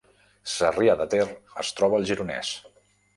Sarrià de Ter es troba al Gironès